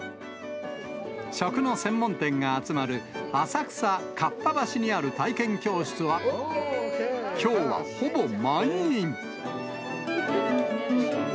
食の専門店が集まる、浅草・かっぱ橋にある体験教室は、きょうはほぼ満員。